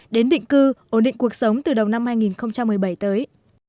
đến định cư ổn định cuộc sống từ đầu năm hai nghìn một mươi bảy tới